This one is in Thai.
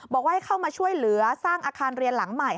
บอกว่าให้เข้ามาช่วยเหลือสร้างอาคารเรียนหลังใหม่